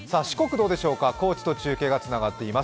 どうでしょうか、高知と中継がつながっています。